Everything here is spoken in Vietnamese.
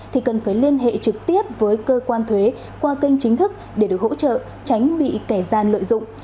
thì cần phải liên hệ trực tiếp với cơ quan thuế qua kênh chính thức để được hỗ trợ tránh bị kẻ gian lợi dụng